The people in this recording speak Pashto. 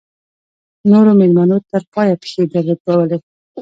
نورو مېلمنو تر پایه پښې دربولې.